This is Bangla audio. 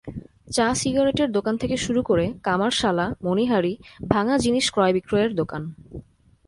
চা-সিগারেটের দোকান থেকে শুরু করে কামারশালা, মনিহারি, ভাঙা জিনিস ক্রয়-বিক্রয়ের দোকান।